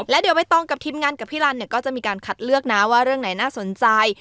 แล้วเดี๋ยวใบตองกับทีมงานกับพี่ลันเนี่ยก็จะมีการคัดเลือกนะว่าเรื่องไหนน่าสนใจ